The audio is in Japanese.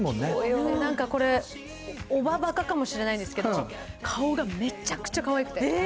なんかこれ、おばばかかもしれないですけど、顔がめっちゃくちゃかわいくて。